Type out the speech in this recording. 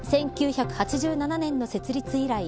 １９８７年の設立以来